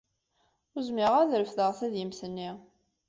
Ur zmireɣ ara ad refdeɣ tadimt-nni.